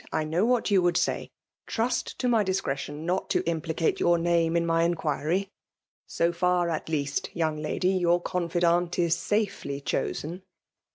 I know wliat yoo would say. Trust to mj diai» ^retkm not to implicate your name in my inquiry. So far, at least, young lady, your confidant is safely chosen.